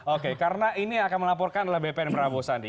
oke karena ini akan melaporkan adalah bpn pranabosandi